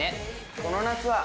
この夏は。